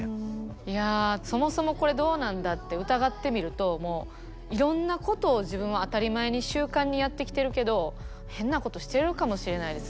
いやそもそもこれどうなんだって疑ってみるともういろんなことを自分は当たり前に習慣にやってきてるけど変なことしているかもしれないです。